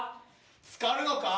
つかるのか？